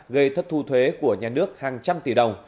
gây thất thu thuế của nhà nước hàng trăm tỷ đồng